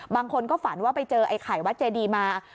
บางคนก็ฝันว่าไปเจอไอ้ไข่วัดเจดีมา